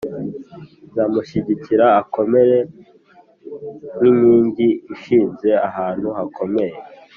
Nzamushyigikira akomere nk’inkingi ishinze ahantu hakomeye,